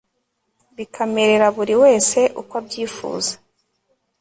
bikamerera buri wese uko abyifuza